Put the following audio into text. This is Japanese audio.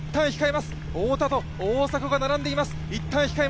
太田と大迫が並んでいます。